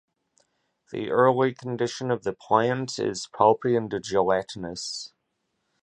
The early condition of the plant is pulpy and gelatinous.